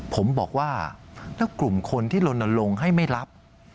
ผมบอกว่าถ้ากลุ่มคนที่ลนลงให้ไม่รับ